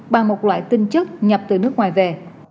bằng một loại tinh chất nhập từ nước ngoài về